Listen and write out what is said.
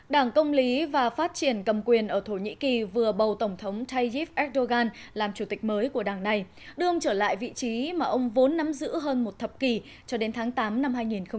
đảng công lý và phát triển cầm quyền ở thổ nhĩ kỳ vừa bầu tổng thống tayyip erdogan làm chủ tịch mới của đảng này đưa ông trở lại vị trí mà ông vốn nắm giữ hơn một thập kỷ cho đến tháng tám năm hai nghìn một mươi chín